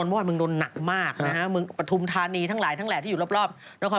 เพราะว่าเมืองโดนหนักมากนะฮะเมืองปฐุมธานีทั้งหลายทั้งแหละที่อยู่รอบนคร